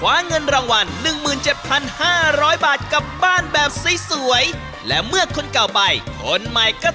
อ๋อวันนี้เขากลับผู้ด้วยนะคะสวัสดีค่ะ